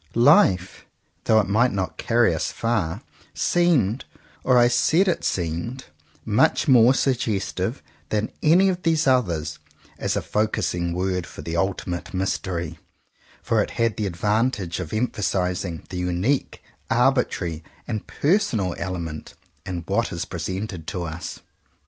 "Life," though it might not carry us far, seemed, or I said it seemed, much more suggestive than any of these others, as a focusing word for the ultimate mystery; for it had the advantage of emphasizing the unique, arbitrary, and personal element in what is presented to us.